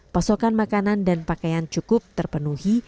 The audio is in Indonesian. pasokan makanan dan pakaian cukup terpenuhi